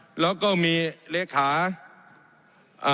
มีล้ำตีตั้นเนี่ยมีล้ำตีตั้นเนี่ย